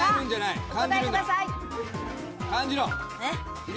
お答えください。